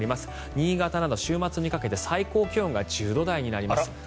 新潟など週末にかけて最高気温が１０度台になります。